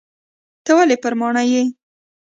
ته ولي پر ماڼي یې ؟